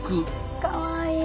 かわいい！